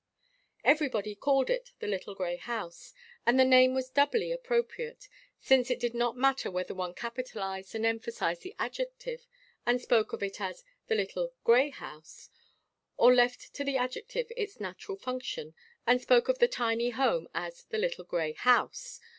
Everybody called it "the little grey house," and the name was doubly appropriate, since it did not matter whether one capitalized and emphasized the adjective, and spoke of it as "the little Grey house," or left to the adjective its natural function, and spoke of the tiny home as "the little grey house."